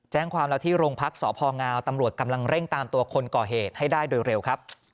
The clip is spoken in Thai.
แจ้งความแล้วที่โรงพักษพงตำรวจกำลังเร่งตามตัวคนก่อเหตุให้ได้โดยเร็วครับ